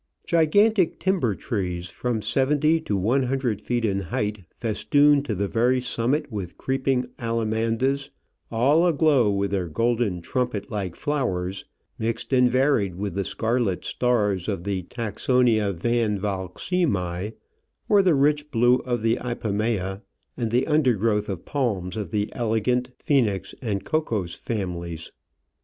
Gigantic timber trees, from seventy to one hundred feet in height, festooned to the very summit with creeping Alla mandas, all aglow with their golden trumpet like flowers, mixed and varied with the scarlet stars of the Tacsonia Van Volxemii, or the rich blue of the Ipomaea and the undergrowth of palms of the elegant Phoenix and Cocos families.